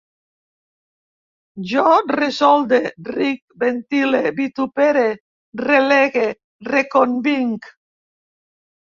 Jo ressolde, ric, ventile, vitupere, relegue, reconvinc